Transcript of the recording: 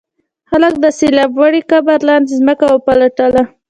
خلکو د سیلاب وړي قبر لاندې ځمکه وپلټله.